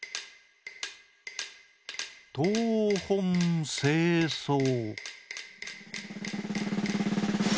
「とうほんせいそう」。